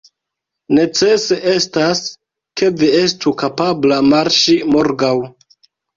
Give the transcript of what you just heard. Necese estas, ke vi estu kapabla marŝi morgaŭ.